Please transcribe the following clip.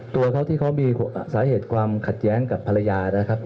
ตัวเขาที่เขามีสาเหตุความขัดแย้งกับภรรยานะครับ